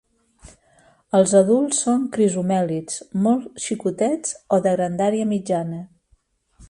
Els adults són crisomèlids molt xicotets o de grandària mitjana.